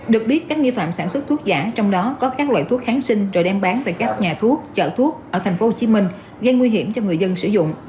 được biết các nghi phạm sản xuất thuốc giả trong đó có các loại thuốc kháng sinh rồi đem bán về các nhà thuốc chợ thuốc ở tp hcm gây nguy hiểm cho người dân sử dụng